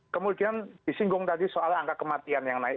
kemudian disinggung tadi soal angka kematian yang naik